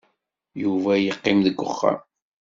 Yuba yeqqim deg wexxam.